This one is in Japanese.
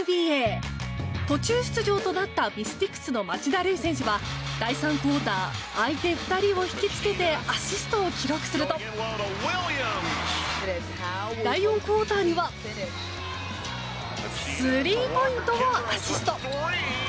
途中出場となったミスティクスの町田瑠唯選手は第３クオーター相手２人を引き付けてアシストを記録すると第４クオーターにはスリーポイントをアシスト。